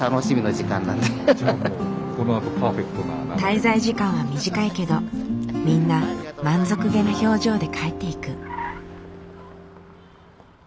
滞在時間は短いけどみんな満足げな表情で帰っていく。